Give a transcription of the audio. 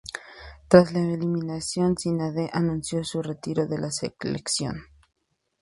Tras la eliminación, Zidane anunció su retiro de la selección.